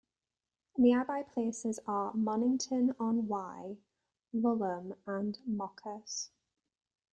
Nearby places are Monnington on Wye, Lulham and Moccas.